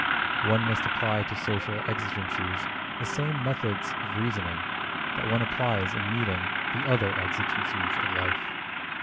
One must apply to social exigencies the same methods of reasoning that one applies in meeting the other exigencies of life.